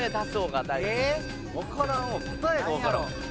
答えがわからん。